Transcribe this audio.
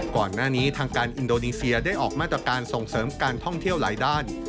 ก่อนหน้านี้ทางการอินโดนีเซียได้ออกมาตรการส่งเสริมการท่องเที่ยวหลายด้าน